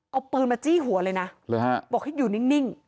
เอาปืนมาจี้หัวเลยนะบอกให้อยู่นิ่ง